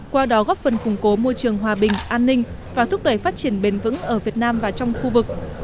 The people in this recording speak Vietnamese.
qua đó góp phần củng cố môi trường hòa bình an ninh và thúc đẩy phát triển bền vững ở việt nam và trong khu vực